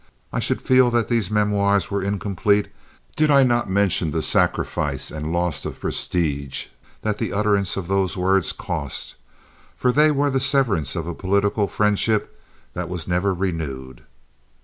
I should feel that these memoirs were incomplete did I not mention the sacrifice and loss of prestige that the utterance of these words cost, for they were the severance of a political friendship that was never renewed.